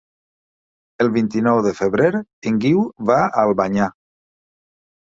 El vint-i-nou de febrer en Guiu va a Albanyà.